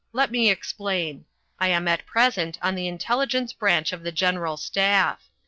Let me explain. I am at present on the Intelligence Branch of the General Staff.